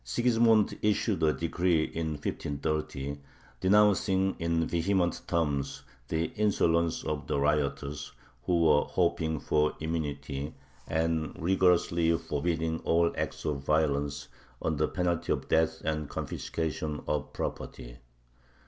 Sigismund issued a decree in 1530 denouncing in vehement terms the insolence of the rioters, who were hoping for immunity, and rigorously forbidding all acts of violence, under penalty of death and confiscation of property.